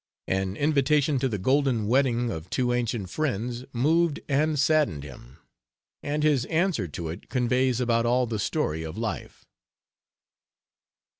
An invitation to the golden wedding of two ancient friends moved and saddened him, and his answer to it conveys about all the story of life.